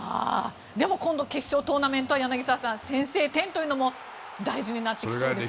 今度、決勝トーナメントは柳澤さん先制点というのも大事になってきそうですね。